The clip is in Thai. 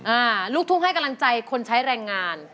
ลูกทุ่งให้กำลังใจคนใช้แรงงาน